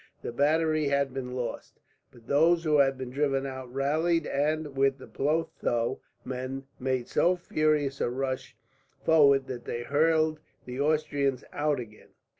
The battery had been lost, but those who had been driven out rallied and, with the Plothow men, made so furious a rush forward that they hurled the Austrians out again.